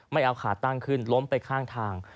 ไม่เอาขาตั้งขึ้นล้มไปข้างทาง